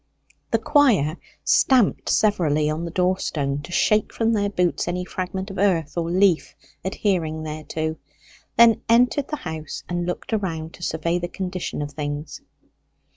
The choir stamped severally on the door stone to shake from their boots any fragment of earth or leaf adhering thereto, then entered the house and looked around to survey the condition of things.